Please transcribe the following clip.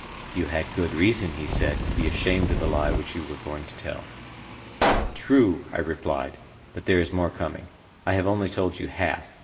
You had good reason, he said, to be ashamed of the lie which you were going to tell. True, I replied, but there is more coming; I have only told you half.